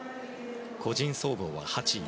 個人総合は８位。